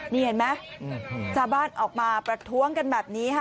นี่เห็นไหมชาวบ้านออกมาประท้วงกันแบบนี้ค่ะ